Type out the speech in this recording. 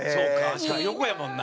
しかも横やもんな。